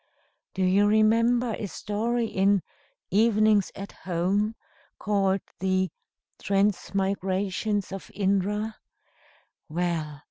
Do you remember a story in 'Evenings at Home,' called the Transmigrations of Indra? Well!